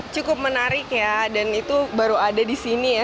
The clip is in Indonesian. cukup menarik ya dan itu baru ada di sini ya